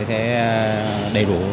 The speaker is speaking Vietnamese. sẽ đầy đủ